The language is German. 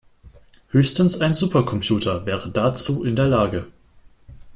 Höchstens ein Supercomputer wäre dazu in der Lage.